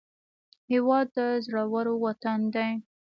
هېواد د زړورو وطن دی